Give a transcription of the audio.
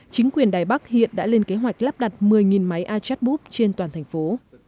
chính quyền đài bắc hiện đã lên kế hoạch lắp đặt một mươi máy achatbook trên toàn thành phố